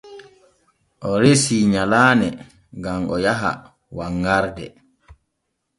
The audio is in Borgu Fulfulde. O resi nyalaane gam o yaha wanŋarde.